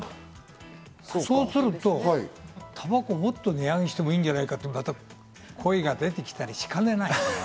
そうするとタバコをもっと値上げしてもいいんじゃないかという声が出てきたりしかねない。